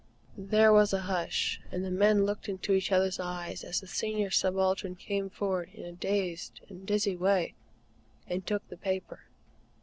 There was a hush, and the men looked into each other's eyes as the Senior Subaltern came forward in a dazed and dizzy way, and took the paper.